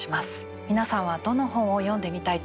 皆さんはどの本を読んでみたいと思いましたか？